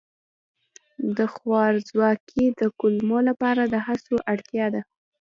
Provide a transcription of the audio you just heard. د خوارځواکۍ د کمولو لپاره د هڅو اړتیا ده.